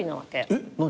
えっ何？